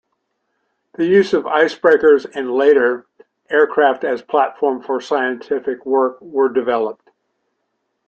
The use of icebreakers and, later, aircraft as platforms for scientific work were developed.